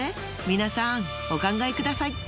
皆さんお考えください。